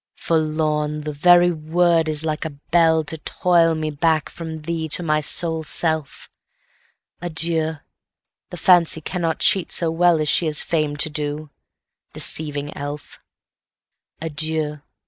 8.Forlorn! the very word is like a bellTo toil me back from thee to my sole self! Adieu! the fancy cannot cheat so wellAs she is fam'd to do, deceiving elf. Adieu!